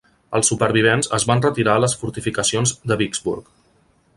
Els supervivents es van retirar a les fortificacions de Vicksburg.